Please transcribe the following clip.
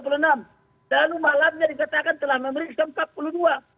lalu malamnya dikatakan telah memeriksa empat puluh dua